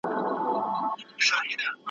نه طبیب سوای له مرګي را ګرځولای ,